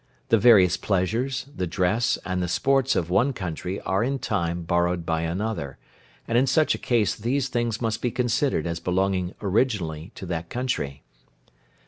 The various pleasures, the dress, and the sports of one country are in time borrowed by another, and in such a case these things must be considered as belonging originally to that country.